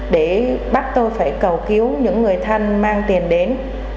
để bắt tôi phải cầu cứu những người thân mang tiền đến